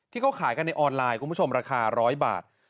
ที่เขาขายกันในออนไลน์คุณผู้ชมราคา๑๐๐บาท